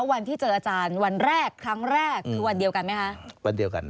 วันที่เจออาจารย์วันแรกครั้งแรกคือวันเดียวกันไหมคะ